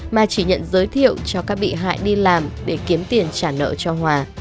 mà chỉ nhận giới thiệu cho các bị hại đi làm để kiếm tiền trả nợ cho hòa